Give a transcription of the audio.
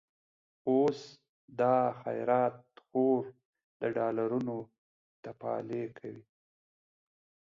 اوس دا خيرات خور، د ډالرونو تفالې کوي